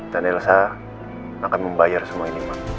dan elsa akan membayar semua ini ma